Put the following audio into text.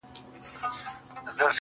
پخوا د كلي په گودر كي جـادو,